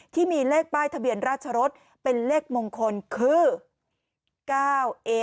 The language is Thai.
ที่มีเลขป้ายทะเบียนราชรสเป็นเลขมงคลคือ๙เอ